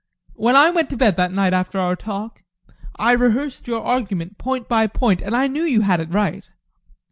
When I went to bed that night after our talk, I rehearsed your argument point by point, and I knew you had it right.